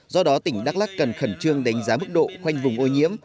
do đó tỉnh đắk lắc cần khẩn trương đánh giá mức độ khoanh vùng ô nhiễm